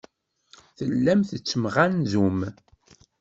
Tellam tettemɣanzum.